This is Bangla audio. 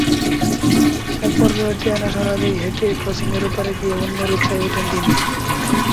একপর্যায়ে ট্রেন আসার আগেই হেঁটে ক্রসিংয়ের ওপারে গিয়ে অন্য রিকশায় ওঠেন তিনি।